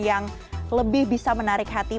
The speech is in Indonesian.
yang lebih bisa menarik hati